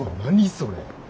それ。